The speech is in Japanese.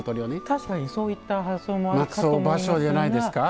確かにそういった発想もあるかと思いますが。